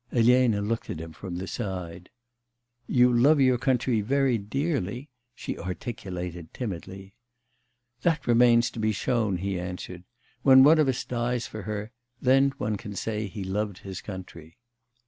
Elena looked at him from the side. 'You love your country very dearly?' she articulated timidly. 'That remains to be shown,' he answered. 'When one of us dies for her, then one can say he loved his country.